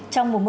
trong mùa mơ